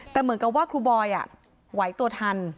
แต่เหมือนกับว่าครูบอยไหวตัวทัน